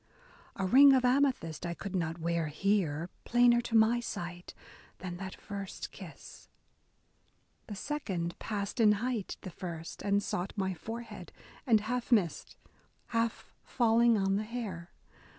A ring of amethyst I could not wear here, plainer to my sight. Than that first kiss. The second passed in height The first, and sought my forehead, and half missed. Half falling on the hair.